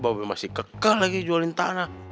bahwa masih kekal lagi jualin tanah